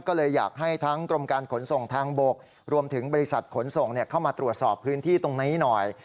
ก็เลยอยากให้ทั้งกรมการขนส่งทางบกรวมถึงบริษัทขนส่งเข้ามาตรวจสอบพื้นที่ตรงนี้หน่อย